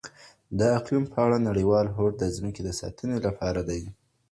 د اقلیم په اړه نړیوال هوډ د ځمکې د ساتنې لپاره دی.